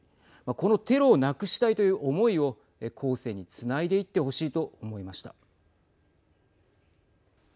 このテロをなくしたいという思いを後世につないでいってほしいと思いました。